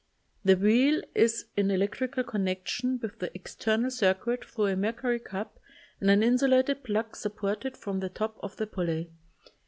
The wheel is in electrical connection with the external circuit thru a mercury cup and an insulated plug sup ported from the top of the pulley.